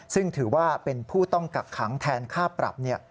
ซึ่งถือว่าเป็นผู้ต้องกักขังแทนค่าปรับ